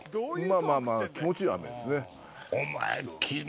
まぁまぁ気持ちいい雨ですね。